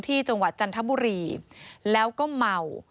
จังหวัดจันทบุรีแล้วก็เมา